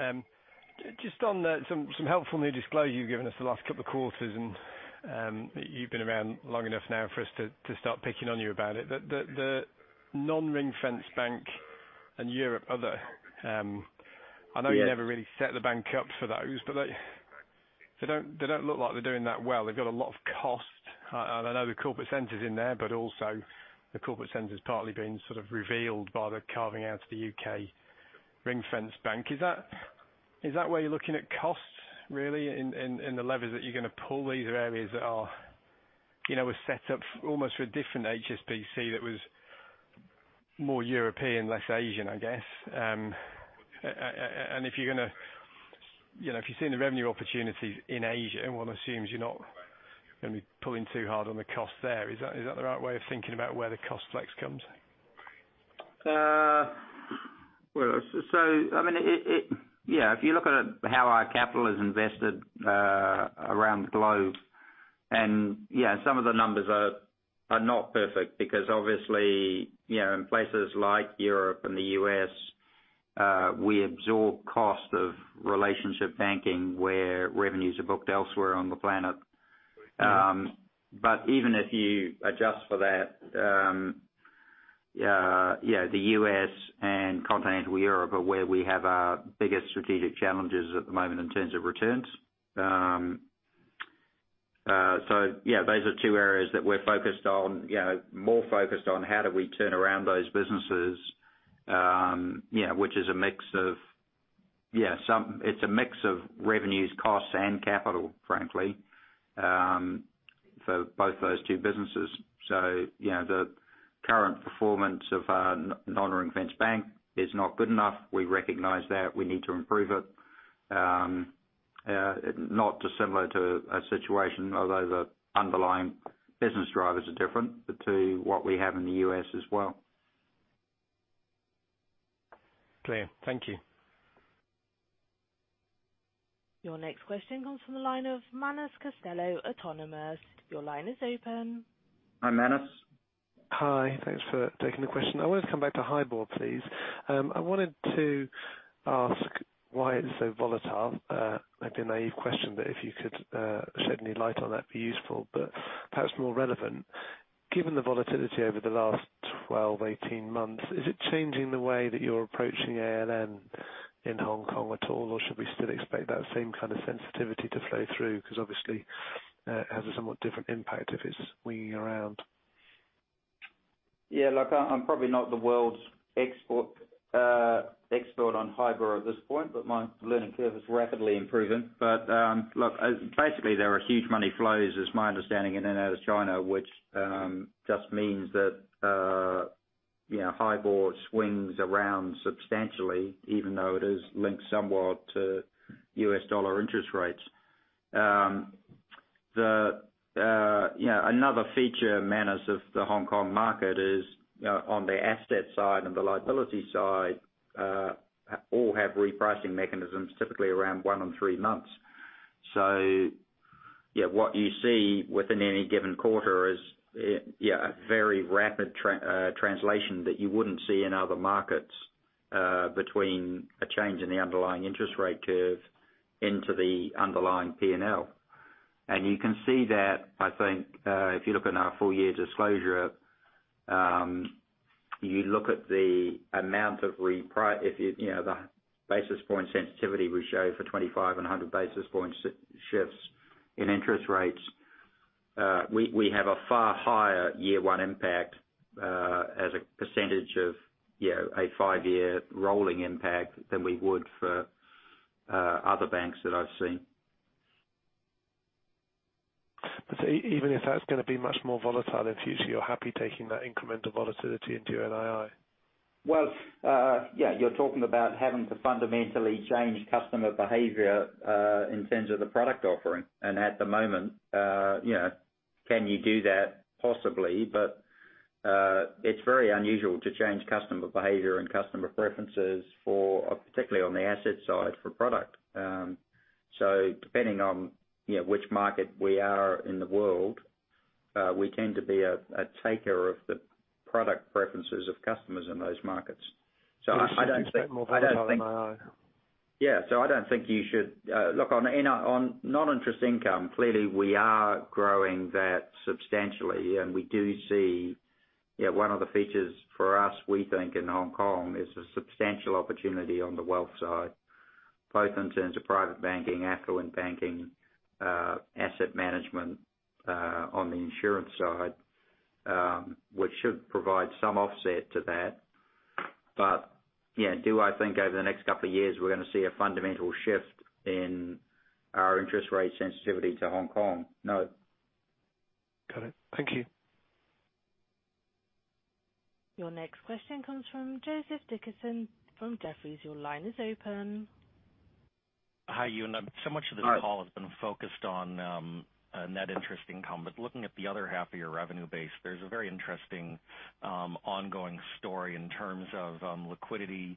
Just on some helpful new disclosure you've given us the last couple of quarters, you've been around long enough now for us to start picking on you about it. The non-ring-fenced bank and Europe other- Yes I know you never really set the bank up for those, but they don't look like they're doing that well. They've got a lot of cost. I know the corporate center's in there, but also the corporate center's partly being sort of revealed by the carving out the U.K. ring-fenced bank. Is that where you're looking at costs really in the levers that you're going to pull? These are areas that were set up almost for a different HSBC that was more European, less Asian, I guess. If you're seeing the revenue opportunities in Asia, one assumes you're not going to be pulling too hard on the cost there. Is that the right way of thinking about where the cost flex comes? If you look at how our capital is invested around the globe, some of the numbers are not perfect because obviously, in places like Europe and the U.S., we absorb cost of relationship banking where revenues are booked elsewhere on the planet. Yeah. Even if you adjust for that, the U.S. and continental Europe are where we have our biggest strategic challenges at the moment in terms of returns. Those are two areas that we're focused on, more focused on how do we turn around those businesses, which is a mix of revenues, costs, and capital, frankly, for both those two businesses. The current performance of our non-ring-fenced bank is not good enough. We recognize that. We need to improve it. Not dissimilar to our situation, although the underlying business drivers are different to what we have in the U.S. as well. Clear. Thank you. Your next question comes from the line of Manus Costello, Autonomous. Your line is open. Hi, Manus. Hi. Thanks for taking the question. I want to come back to HIBOR, please. I wanted to ask why it's so volatile. Might be a naive question, but if you could shed any light on that, it'd be useful. Perhaps more relevant, given the volatility over the last 12, 18 months, is it changing the way that you're approaching ALM in Hong Kong at all, or should we still expect that same kind of sensitivity to flow through? Because obviously, it has a somewhat different impact if it's swinging around. Yeah, look, I'm probably not the world's expert on HIBOR at this point, my learning curve is rapidly improving. Look, basically, there are huge money flows, is my understanding, in and out of China, which just means that HIBOR swings around substantially, even though it is linked somewhat to US dollar interest rates. Another feature, Manus, of the Hong Kong market is on the asset side and the liability side, all have repricing mechanisms, typically around one or three months. Yeah, what you see within any given quarter is a very rapid translation that you wouldn't see in other markets between a change in the underlying interest rate curve into the underlying P&L. You can see that, I think, if you look at our full-year disclosure. You look at the amount of the basis point sensitivity we show for 25 and 100 basis point shifts in interest rates. We have a far higher year one impact as a percentage of a five-year rolling impact than we would for other banks that I've seen. Even if that's going to be much more volatile in future, you're happy taking that incremental volatility into NII? Yeah. You're talking about having to fundamentally change customer behavior in terms of the product offering. At the moment, can you do that? Possibly. It's very unusual to change customer behavior and customer preferences, particularly on the asset side, for product. Depending on which market we are in the world, we tend to be a taker of the product preferences of customers in those markets. NII. Yeah. I don't think you should look on non-interest income. Clearly, we are growing that substantially, and we do see one of the features for us, we think in Hong Kong, is a substantial opportunity on the wealth side, both in terms of private banking, affluent banking, asset management on the insurance side, which should provide some offset to that. Yeah, do I think over the next couple of years we're going to see a fundamental shift in our interest rate sensitivity to Hong Kong? No. Got it. Thank you. Your next question comes from Joseph Dickerson from Jefferies. Your line is open. Hi. Much of the call has been focused on net interest income. Looking at the other half of your revenue base, there's a very interesting ongoing story in terms of liquidity.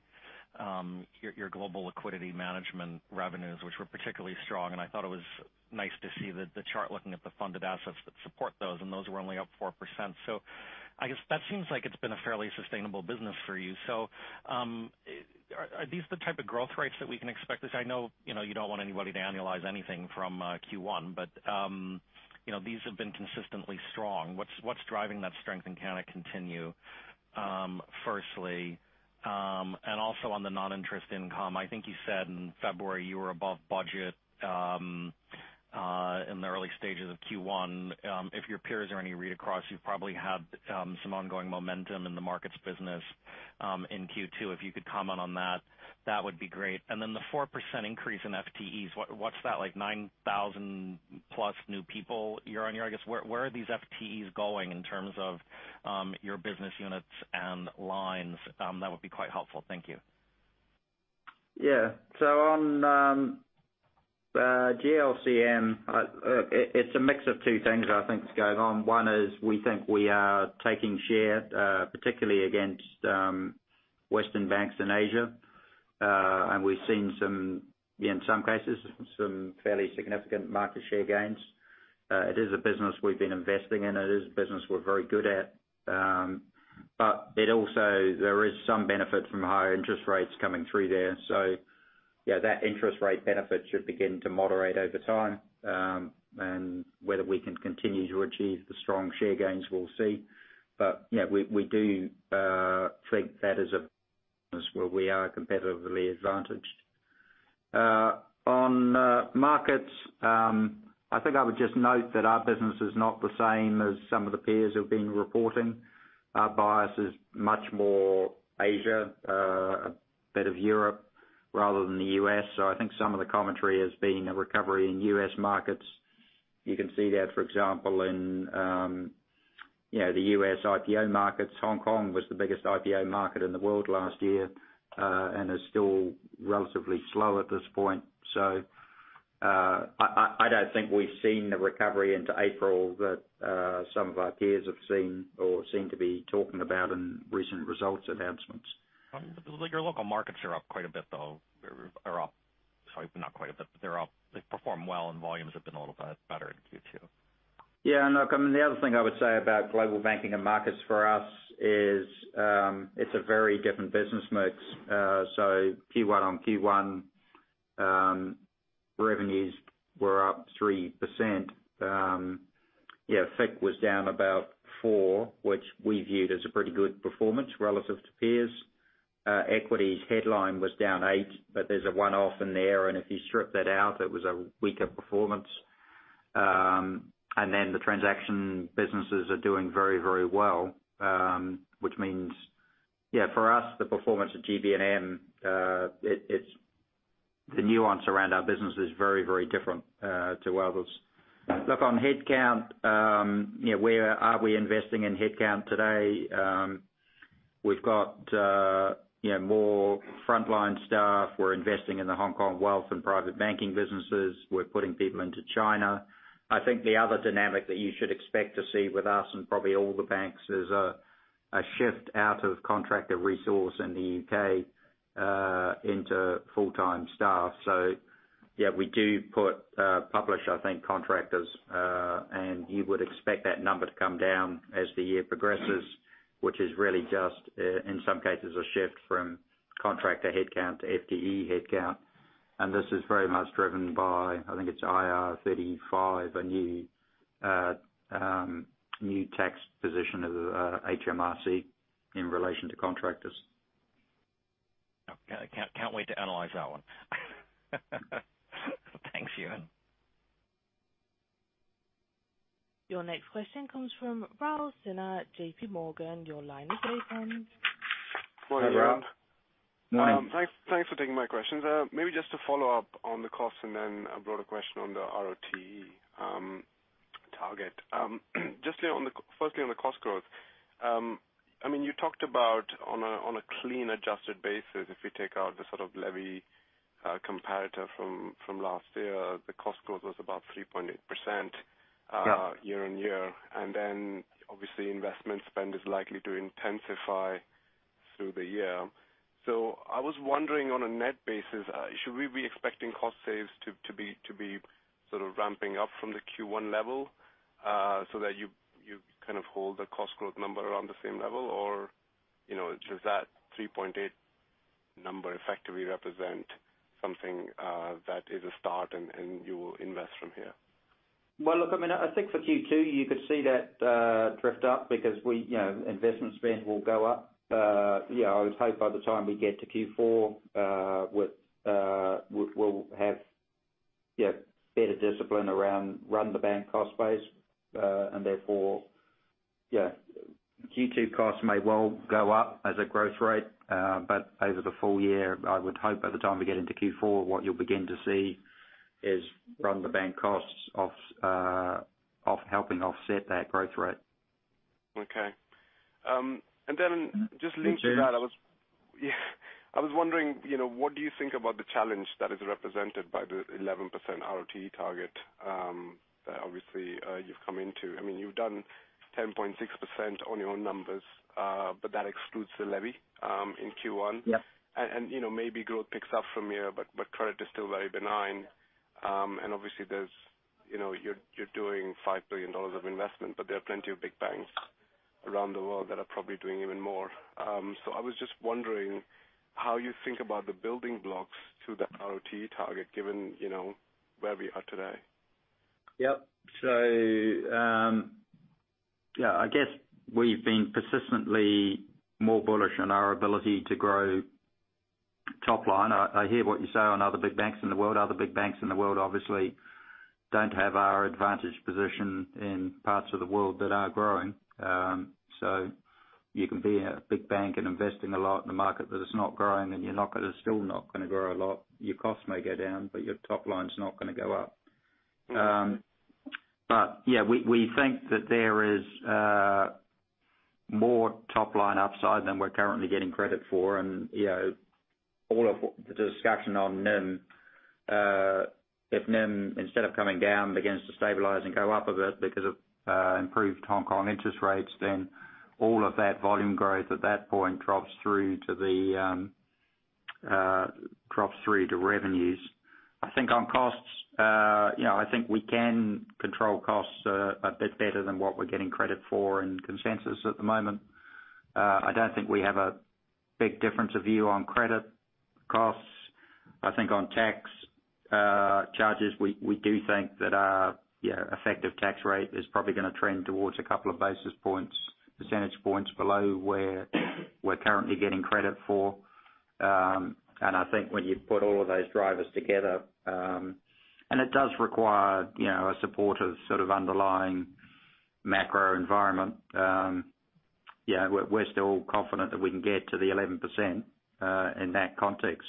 Your Global Liquidity Management revenues, which were particularly strong, and I thought it was nice to see the chart looking at the funded assets that support those, and those were only up 4%. I guess that seems like it's been a fairly sustainable business for you. Are these the type of growth rates that we can expect? Because I know you don't want anybody to annualize anything from Q1, but these have been consistently strong. What's driving that strength? Can it continue, firstly? Also on the non-interest income, I think you said in February you were above budget, in the early stages of Q1. If your peers are any read across, you've probably had some ongoing momentum in the markets business, in Q2. If you could comment on that would be great. The 4% increase in FTEs, what's that like 9,000 plus new people year-over-year? I guess where are these FTEs going in terms of your business units and lines? That would be quite helpful. Thank you. Yeah. On the GLCM, it's a mix of two things I think is going on. One is we think we are taking share, particularly against western banks in Asia. We've seen some, in some cases, some fairly significant market share gains. It is a business we've been investing in, it is a business we're very good at. It also, there is some benefit from higher interest rates coming through there. Yeah, that interest rate benefit should begin to moderate over time. Whether we can continue to achieve the strong share gains, we'll see. Yeah, we do think that is a business where we are competitively advantaged. On markets, I think I would just note that our business is not the same as some of the peers who've been reporting. Our bias is much more Asia, a bit of Europe rather than the U.S. I think some of the commentary has been a recovery in U.S. markets. You can see that, for example, in the U.S. IPO markets. Hong Kong was the biggest IPO market in the world last year, is still relatively slow at this point. I don't think we've seen the recovery into April that some of our peers have seen or seem to be talking about in recent results announcements. Your local markets are up quite a bit, though. Are up, sorry, not quite a bit, they're up. They've performed well and volumes have been a little better in Q2. Yeah, look, I mean, the other thing I would say about Global Banking and Markets for us is, it's a very different business mix. Q1 on Q1, revenues were up 3%. Yeah, FIC was down about 4%, which we viewed as a pretty good performance relative to peers. Equities headline was down 8%, there's a one-off in there, and if you strip that out, it was a weaker performance. The transaction businesses are doing very well, which means, yeah, for us, the performance of GB&M, the nuance around our business is very different to others. Look, on headcount, where are we investing in headcount today? We've got more frontline staff. We're investing in the Hong Kong wealth and private banking businesses. We're putting people into China. I think the other dynamic that you should expect to see with us and probably all the banks is a shift out of contractor resource in the U.K., into full-time staff. Yeah, we do put, publish, I think, contractors. You would expect that number to come down as the year progresses, which is really just, in some cases, a shift from contractor headcount to FTE headcount. This is very much driven by, I think it's IR35, a new tax position of HMRC in relation to contractors. Okay. Can't wait to analyze that one. Thanks, Ewen. Your next question comes from Rahul Sinha, JPMorgan. Your line is open. Hi, Rahul. Morning. Morning. Thanks for taking my questions. Maybe just to follow up on the costs and then a broader question on the ROTE target. Firstly, on the cost growth. I mean, you talked about on a clean, adjusted basis, if you take out the sort of levy comparator from last year, the cost growth was about 3.8%. Yeah Year-over-year. Obviously investment spend is likely to intensify through the year. I was wondering, on a net basis, should we be expecting cost saves to be sort of ramping up from the Q1 level, so that you kind of hold the cost growth number around the same level? Or does that 3.8 number effectively represent something that is a start and you will invest from here? Well, look, I mean, I think for Q2, you could see that drift up because investment spend will go up. Yeah, I would hope by the time we get to Q4, we'll have better discipline around run-the-bank cost base. Therefore, yeah, Q2 costs may well go up as a growth rate. Over the full year, I would hope by the time we get into Q4, what you'll begin to see is run-the-bank costs off helping offset that growth rate. Okay. Just linked to that. Can you hear me? Yeah. I was wondering, what do you think about the challenge that is represented by the 11% ROTE target that obviously you've come into? I mean, you've done 10.6% on your own numbers, but that excludes the levy in Q1. Yep. Maybe growth picks up from here, but credit is still very benign. Obviously you're doing $5 billion of investment, but there are plenty of big banks around the world that are probably doing even more. I was just wondering how you think about the building blocks to that ROTE target, given where we are today. Yep. I guess we've been persistently more bullish on our ability to grow top-line. I hear what you say on other big banks in the world. Other big banks in the world obviously don't have our advantage position in parts of the world that are growing. You can be a big bank and investing a lot in the market, but it's not growing and you're not going to grow a lot. Your costs may go down, but your top-line's not going to go up. Yeah, we think that there is more top-line upside than we're currently getting credit for. All of the discussion on NIM, if NIM, instead of coming down, begins to stabilize and go up a bit because of improved Hong Kong interest rates, all of that volume growth at that point drops through to revenues. I think on costs, I think we can control costs a bit better than what we're getting credit for in consensus at the moment. I don't think we have a big difference of view on credit costs. I think on tax charges, we do think that our effective tax rate is probably going to trend towards a couple of basis points, percentage points below where we're currently getting credit for. I think when you put all of those drivers together, and it does require a supportive underlying macro environment. We're still confident that we can get to the 11% in that context.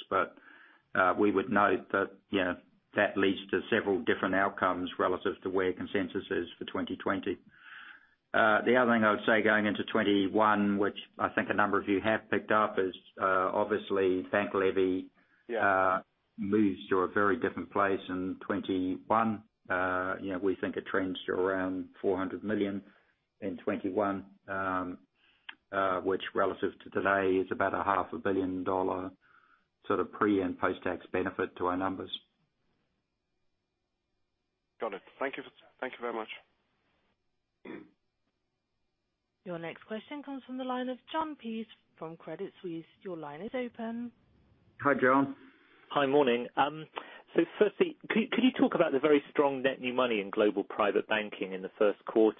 We would note that leads to several different outcomes relative to where consensus is for 2020. The other thing I would say going into 2021, which I think a number of you have picked up, is obviously bank levy. Yeah moves to a very different place in 2021. We think it trends to around $400 million in 2021, which relative to today is about a half a billion dollar pre- and post-tax benefit to our numbers. Got it. Thank you. Thank you very much. Your next question comes from the line of Jon Peace from Credit Suisse. Your line is open. Hi, Jon. Hi, morning. Firstly, could you talk about the very strong net new money in Global Private Banking in the first quarter?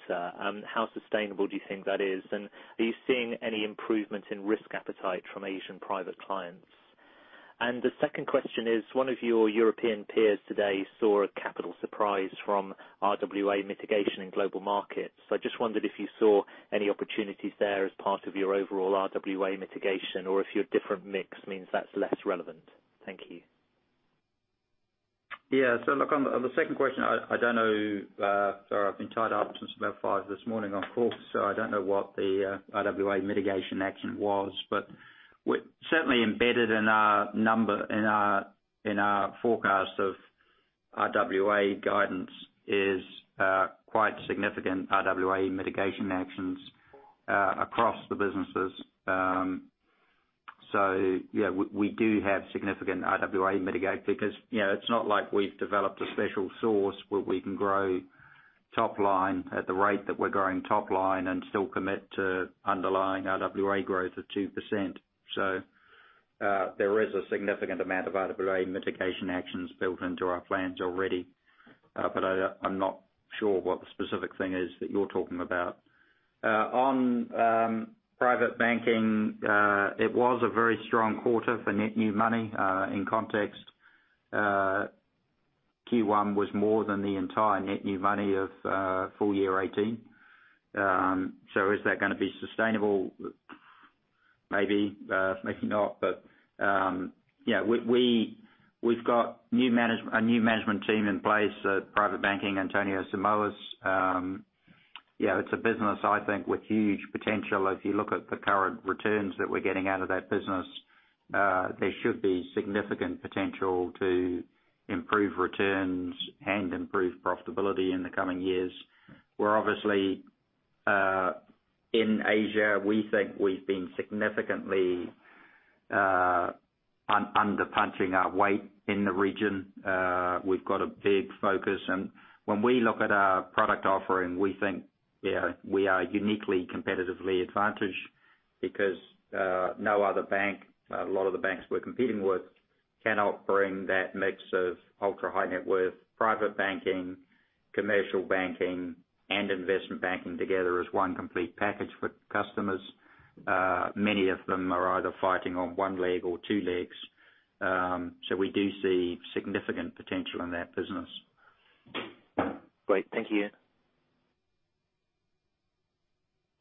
How sustainable do you think that is? Are you seeing any improvement in risk appetite from Asian private clients? The second question is, one of your European peers today saw a capital surprise from RWA mitigation in Global Markets. I just wondered if you saw any opportunities there as part of your overall RWA mitigation or if your different mix means that's less relevant. Thank you. Yeah. Look, on the second question, I don't know. Sorry, I've been tied up since about 5:00 this morning on calls, so I don't know what the RWA mitigation action was. Certainly embedded in our forecast of RWA guidance is quite significant RWA mitigation actions across the businesses. Yeah, we do have significant RWA mitigate because it's not like we've developed a special sauce where we can grow top line at the rate that we're growing top line and still commit to underlying RWA growth of 2%. There is a significant amount of RWA mitigation actions built into our plans already. But I'm not sure what the specific thing is that you're talking about. On Private Banking, it was a very strong quarter for net new money. In context, Q1 was more than the entire net new money of full year 2018. Is that going to be sustainable? Maybe, maybe not. We've got a new management team in place at private banking, António Simões. It's a business, I think with huge potential. If you look at the current returns that we're getting out of that business, there should be significant potential to improve returns and improve profitability in the coming years. We're obviously in Asia. We think we've been significantly under-punching our weight in the region. We've got a big focus and when we look at our product offering, we think we are uniquely competitively advantaged because no other bank, a lot of the banks we're competing with, cannot bring that mix of ultra-high net worth private banking, commercial banking, and investment banking together as one complete package for customers. Many of them are either fighting on one leg or two legs. We do see significant potential in that business. Great. Thank you.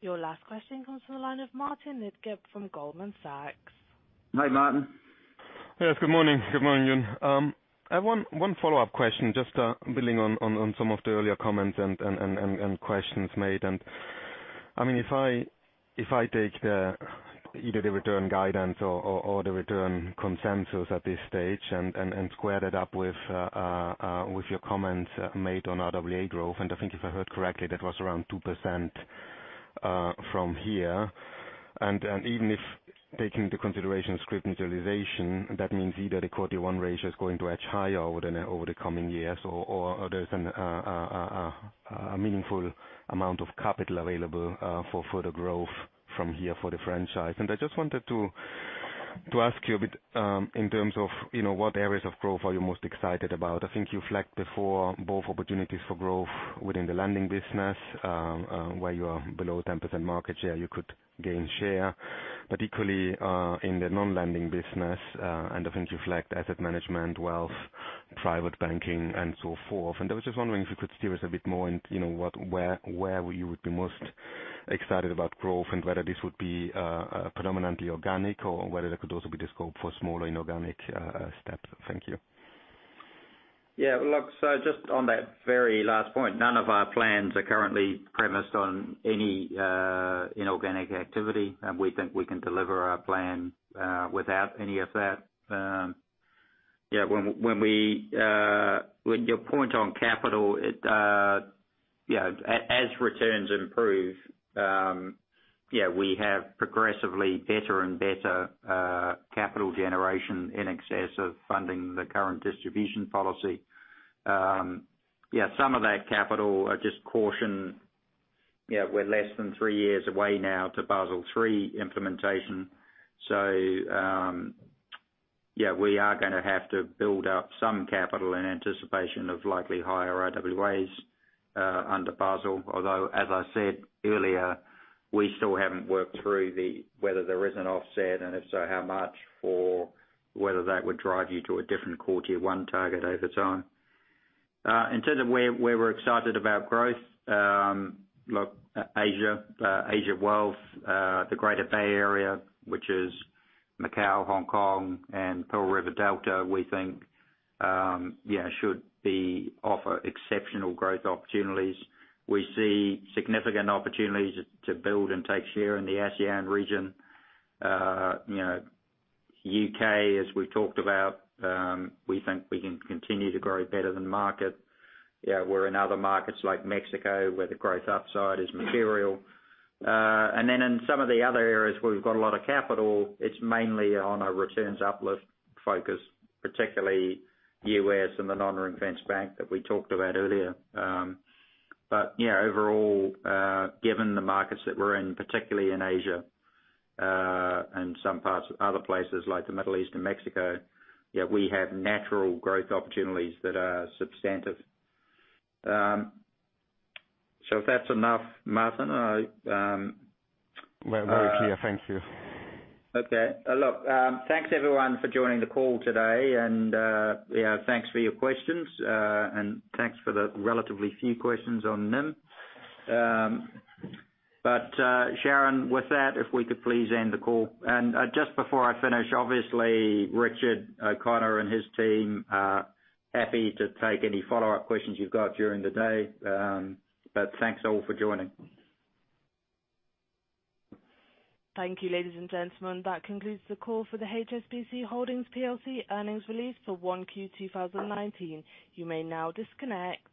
Your last question comes from the line of Martin Leitgeb from Goldman Sachs. Hi, Martin. Yes. Good morning. Good morning, Ewen. I have one follow-up question, just building on some of the earlier comments and questions made. If I take either the return guidance or the return consensus at this stage and square that up with your comments made on RWA growth, and I think if I heard correctly, that was around 2% from here. Even if taking into consideration scrip neutralization, that means either the quarter 1 ratio is going to edge higher over the coming years or there's a meaningful amount of capital available for further growth from here for the franchise. I just wanted to ask you a bit in terms of what areas of growth are you most excited about? I think you flagged before both opportunities for growth within the lending business, where you are below 10% market share, you could gain share, but equally, in the non-lending business, I think you flagged asset management, wealth, private banking, and so forth. I was just wondering if you could steer us a bit more in where you would be most excited about growth and whether this would be predominantly organic or whether there could also be the scope for smaller inorganic steps. Thank you. Yeah. Look, just on that very last point, none of our plans are currently premised on any inorganic activity. We think we can deliver our plan without any of that. With your point on capital, as returns improve, we have progressively better and better capital generation in excess of funding the current distribution policy. Some of that capital, I just caution, we're less than three years away now to Basel III implementation. We are going to have to build up some capital in anticipation of likely higher RWAs under Basel. Although, as I said earlier, we still haven't worked through whether there is an offset and if so, how much, for whether that would drive you to a different quarter 1 target over time. In terms of where we're excited about growth, look, Asia Wealth, the Greater Bay Area, which is Macau, Hong Kong and Pearl River Delta, we think should offer exceptional growth opportunities. We see significant opportunities to build and take share in the ASEAN region. U.K., as we've talked about, we think we can continue to grow better than market. We're in other markets like Mexico, where the growth upside is material. In some of the other areas where we've got a lot of capital, it's mainly on a returns uplift focus, particularly U.S. and the non-ring-fenced bank that we talked about earlier. Overall, given the markets that we're in, particularly in Asia, and some other places like the Middle East and Mexico, we have natural growth opportunities that are substantive. If that's enough, Martin? We're very clear. Thank you. Thanks everyone for joining the call today, and thanks for your questions, and thanks for the relatively few questions on NIM. Sharon, with that, if we could please end the call. Just before I finish, obviously, Richard O'Connor and his team are happy to take any follow-up questions you've got during the day. Thanks all for joining. Thank you, ladies and gentlemen. That concludes the call for the HSBC Holdings PLC earnings release for 1Q 2019. You may now disconnect.